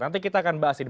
nanti kita akan bahas ini